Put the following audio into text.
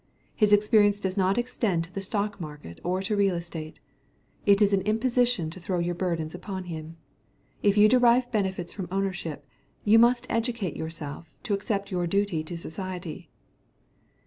His experience does not extend to the stock market or to real estate. It is an imposition to throw your burdens upon him. If you derive benefits from ownership, you must educate yourself to accept your duty to society."